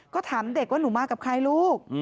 ก็ถามเด็กว่าหนูมากับใครลูก